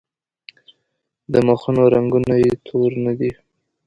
د مخونو رنګونه یې تور نه دي.